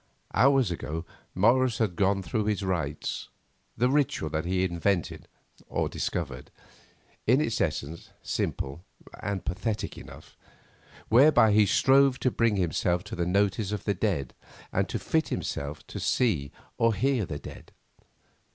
Hours ago Morris had gone though his rites, the ritual that he had invented or discovered—in its essence, simple and pathetic enough—whereby he strove to bring himself to the notice of the dead, and to fit himself to see or hear the dead.